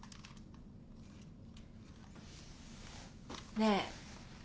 ねえ。